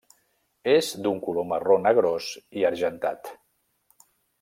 És d'un color marró negrós i argentat.